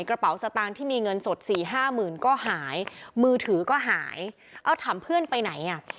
กระเป๋าสตางค์ที่มีเงินสดสี่ห้าหมื่นก็หายมือถือก็หายเอาถามเพื่อนไปไหนอ่ะ